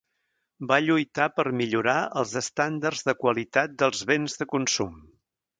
Va lluitar per millorar els estàndards de qualitat dels béns de consum.